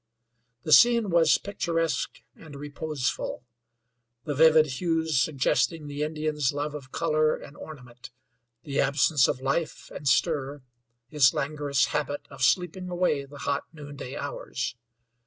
The scene was picturesque and reposeful; the vivid hues suggesting the Indians love of color and ornament; the absence of life and stir, his languorous habit of sleeping away the hot noonday hours.